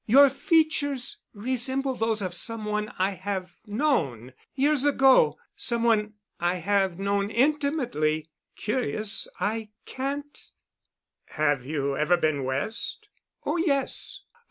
Your features resemble those of some one I have known—years ago—some one I have known intimately—curious I can't——" "Have you ever been West?" "Oh, yes.